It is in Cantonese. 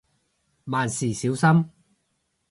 萬事小心